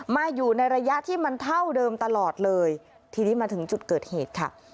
มาอยู่ในระยะที่มันเท่าเดิมตลอดเลยทีนี้มาถึงจุดเกิดเหตุค่ะ